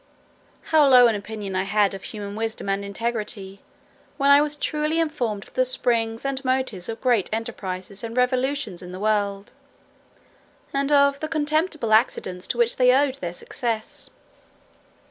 How low an opinion I had of human wisdom and integrity, when I was truly informed of the springs and motives of great enterprises and revolutions in the world, and of the contemptible accidents to which they owed their success.